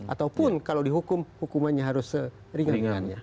ataupun kalau dihukum hukumannya harus seringan ringannya